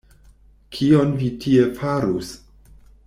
Kion vi tie farus?